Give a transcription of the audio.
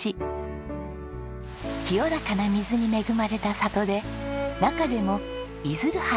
清らかな水に恵まれた里で中でも出流原